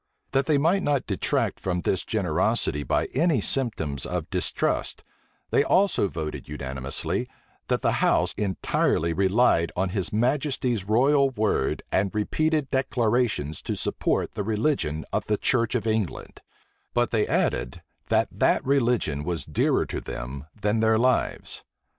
That they might not detract from this generosity by any symptoms of distrust, they also voted unanimously, that the house entirely relied on his majesty's royal word and repeated declarations to support the religion of the church of England; but they added, that that religion was dearer to them than their lives.